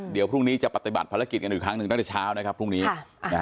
เดี๋ยวพรุ่งนี้จะปฏิบัติภารกิจกันอีกครั้งหนึ่งตั้งแต่เช้านะครับพรุ่งนี้